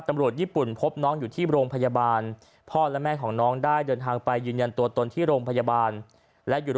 ตำรวจญี่ปุ่นพบน้องอยู่ที่โรงพยาบาล